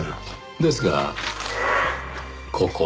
ですがここ。